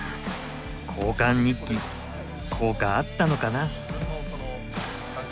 交換日記効果あったのかな。